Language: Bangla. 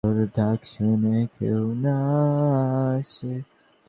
সরকারি প্রতিষ্ঠানগুলোরও উচিত সংকীর্ণ স্বার্থে নাগরিকদের মুক্তবিকাশের পথে বাধা হয়ে না থাকা।